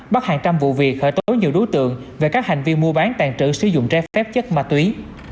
bắt hàng trăm vụ việc khởi tố nhiều đối tượng về các hành vi mua bán tàn trữ sử dụng trái phép chất ma túy